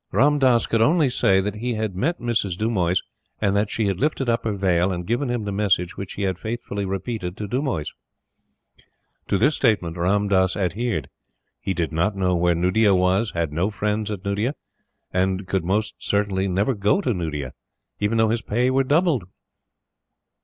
Ram Dass could only say that he had met Mrs. Dumoise and that she had lifted up her veil and given him the message which he had faithfully repeated to Dumoise. To this statement Ram Dass adhered. He did not know where Nuddea was, had no friends at Nuddea, and would most certainly never go to Nuddea; even though his pay were doubled.